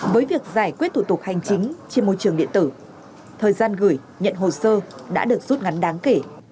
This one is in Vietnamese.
với việc giải quyết thủ tục hành chính trên môi trường điện tử thời gian gửi nhận hồ sơ đã được rút ngắn đáng kể